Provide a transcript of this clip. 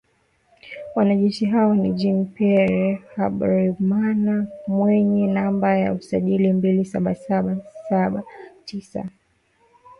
Wanajeshi hao ni “Jean Pierre Habyarimana mwenye namba za usajili mbili saba saba saba tisa.